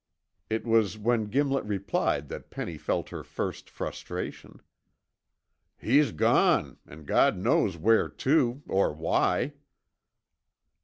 It was when Gimlet replied that Penny felt her first frustration. "He's gone, an' God knows where to, or why."